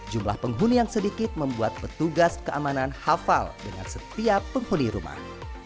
jumlah penghuni yang sedikit membuat petugas keamanan hafal dengan setiap penghuni rumah